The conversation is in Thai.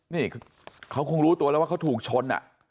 นี่เขาคงรู้ตัวแล้วว่าเขาถูกชน